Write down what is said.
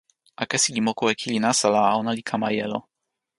akesi li moku e kili nasa la ona li kama jelo.